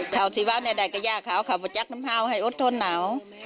ข่าวที่ว้าวในใดกระยะข่าวข่าวประจักรน้ำหาวให้อดทนเอา